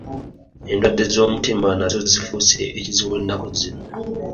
Endwadde z'omutima nazo zifuuse ekizibu ennaku zino.